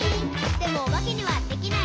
「でもおばけにはできない。」